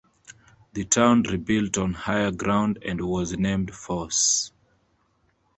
The town rebuilt on higher ground and was named Foss.